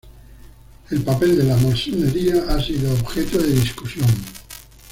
El papel de la masonería ha sido objeto de discusión.